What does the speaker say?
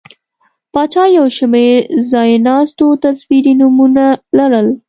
پاچا یو شمېر ځایناستو تصویري نومونه لرل.